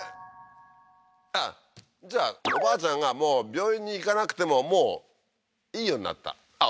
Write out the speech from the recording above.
あっじゃあおばあちゃんがもう病院に行かなくてももういいようになったあっ